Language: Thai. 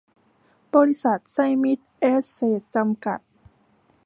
บริษัท ไซมิส แอสเสท จำกัด